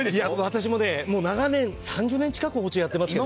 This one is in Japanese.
私も３０年近く包丁やってますけど。